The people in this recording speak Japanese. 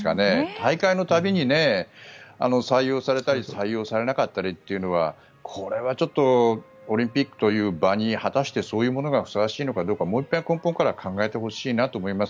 大会の度に採用されたり採用されなかったりっていうのはこれはちょっとオリンピックという場に果たして、そういうものがふさわしいのかどうかもう一遍根本から考えてほしいと思います。